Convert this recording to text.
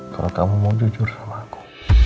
kalau kamu mau jujur sama aku